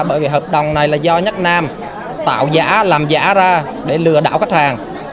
bởi vì hợp đồng này là do nhất nam tạo giá làm giả ra để lừa đảo khách hàng